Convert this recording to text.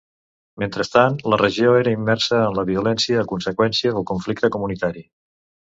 Mentrestant, la regió era immersa en la violència a conseqüència del conflicte comunitari.